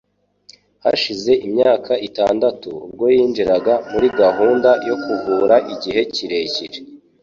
hashize imyaka itandatu ubwo yinjiraga muri gahunda yo kuvura igihe kirekire